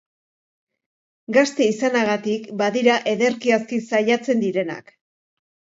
Gazte izanagatik, badira ederki aski saiatzen direnak.